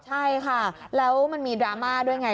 ใช่ค่ะแล้วมันมีดราม่าด้วยไง